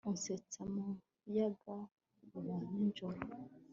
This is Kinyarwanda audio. Unsetsa mu muyaga wa nijoro